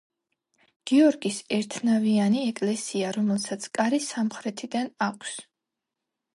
გიორგის ერთნავიანი ეკლესია, რომელსაც კარი სამხრეთიდან აქვს.